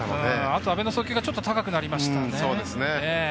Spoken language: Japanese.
あと阿部の送球が高くなりましたよね。